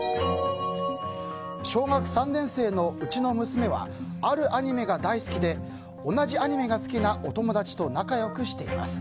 小学３年生のうちの娘はあるアニメが大好きで同じアニメが好きなお友達と仲良くしています。